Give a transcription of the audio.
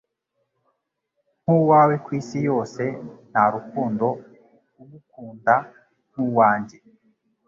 nk'uwawe Ku isi yose nta rukundo ugukunda nk'uwanjye.